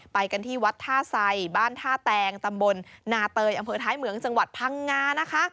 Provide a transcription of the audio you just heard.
ไปกันที่วัดท่าไสบ้านท่าแตงตำบลนาเตยอำเภอท้ายเหมืองจังหวัดพังงานะคะ